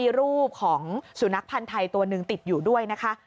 มีรูปของสุนัขพันธ์ไทยตัวหนึ่งติดอยู่ด้วยนะคะ